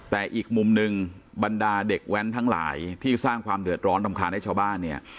แต่อีกมุมหนึ่งบรรดาเด็กแว้นทั้งหลายที่สร้างความเดือดร้อนรำคาญให้ชาวบ้านเนี่ย